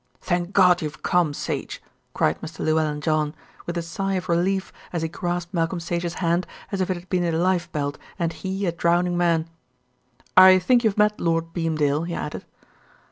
"Thank God you've come, Sage!" cried Mr. Llewellyn John, with a sigh of relief as he grasped Malcolm Sage's hand as if it had been a lifebelt and he a drowning man. "I think you have met Lord Beamdale," he added.